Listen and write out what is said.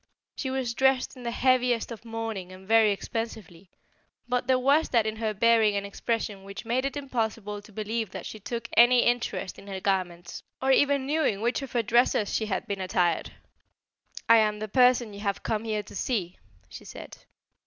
She was dressed in the heaviest of mourning and very expensively, but there was that in her bearing and expression which made it impossible to believe that she took any interest in her garments or even knew in which of her dresses she had been attired. "I am the person you have come here to see," she said.